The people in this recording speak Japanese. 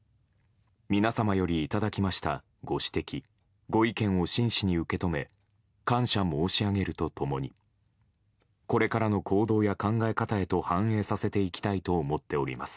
皆様よりいただきましたご指摘・ご意見を真摯に受け止め感謝申し上げると共にこれからの行動や考え方へと反映させていきたいと思っております。